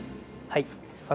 はい。